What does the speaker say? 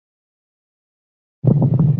索尼官方对指控不予置评。